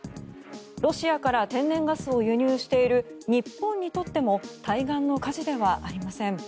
ロシアから天然ガスを輸入している日本にとっても対岸の火事ではありません。